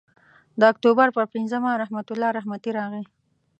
د اکتوبر پر پینځمه رحمت الله رحمتي راغی.